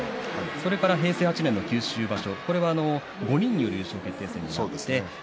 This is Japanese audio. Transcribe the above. それから平成８年の九州場所５人による優勝決定戦がありました。